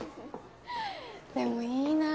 でもいいな。